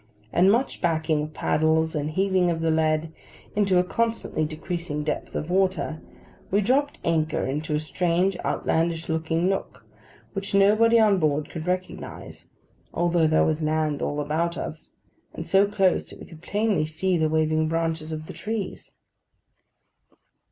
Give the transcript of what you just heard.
') and much backing of paddles, and heaving of the lead into a constantly decreasing depth of water, we dropped anchor in a strange outlandish looking nook which nobody on board could recognise, although there was land all about us, and so close that we could plainly see the waving branches of the trees.